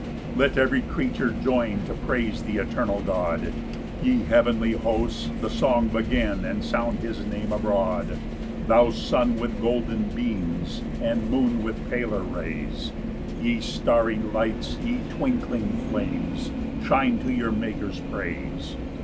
1 Let every creature join To praise th' eternal God; Ye heavenly hosts, the song begin, And sound his Name abroad. 2 Thou sun with golden beams, And moon with paler rays; Ye starry lights, ye twinkling flames, Shine to your Maker's praise.